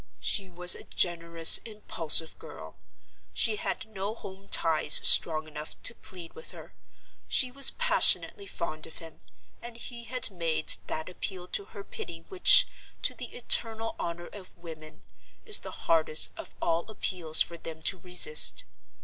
She was a generous, impulsive girl; she had no home ties strong enough to plead with her; she was passionately fond of him—and he had made that appeal to her pity which, to the eternal honor of women, is the hardest of all appeals for them to resist.